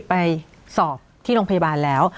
ไปสอบที่โรงพยาบาลแล้ว